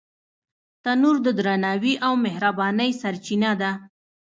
تنور د درناوي او مهربانۍ سرچینه ده